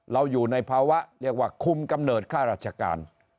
เราอยู่ในภาวะคุมกำเนิดค่ารัชการ